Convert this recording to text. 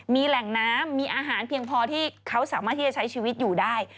มีแหล่งน้ำมีอาหารเพียงพอที่เขาสามารถที่จะใช้ชีวิตอยู่ได้